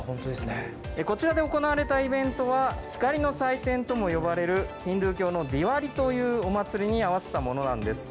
こちらで行われたイベントは光の祭典とも呼ばれるヒンドゥー教のディワリというお祭りに合わせたものなんです。